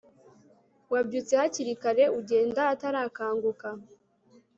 wabyutse hakiri kare ugenda atarakanguka